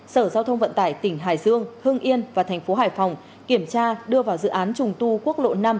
sở giao thông vận tải tỉnh hải dương hưng yên và thành phố hải phòng kiểm tra đưa vào dự án trùng tu quốc lộ năm